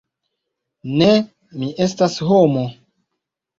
Ne, mi estas homo.